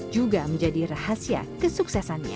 juga menjadi rahasia kesuksesannya